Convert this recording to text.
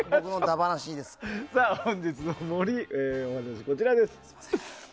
さあ、本日の森はこちらです。